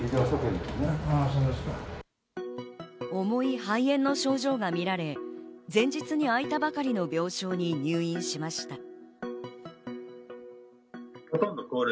重い肺炎の症状がみられ、前日にあいたばかりの病床に入院しました。